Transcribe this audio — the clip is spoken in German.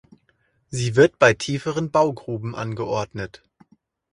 Sie wird bei tieferen Baugruben angeordnet.